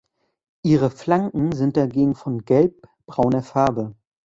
Ihre Flanken sind dagegen von gelb-brauner Farbe.